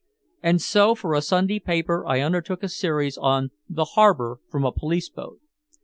And so for a Sunday paper I undertook a series on "The Harbor from a Police Boat."